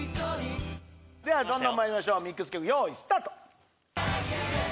ではどんどんまいりましょうミックス曲よいスタート！